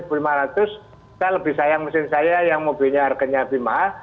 saya lebih sayang mesin saya yang mobilnya harganya lebih mahal